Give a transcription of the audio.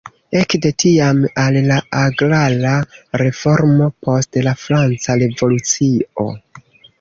Ekde tiam al la agrara reformo post la Franca Revolucio.